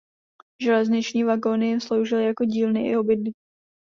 Železniční vagóny jim sloužily jako dílny i obydlí.